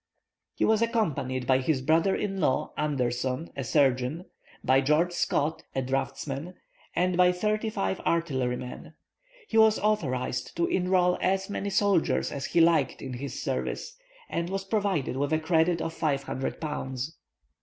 He was accompanied by his brother in law, Anderson, a surgeon, by George Scott, a draughtsman, and by thirty five artillery men. He was authorized to enrol as many soldiers as he liked in his service, and was provided with a credit of five hundred pounds.